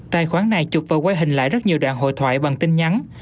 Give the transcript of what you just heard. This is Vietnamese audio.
tài khoản này chụp và quay hình lại rất nhiều đoạn hội thoại bằng tin nhắn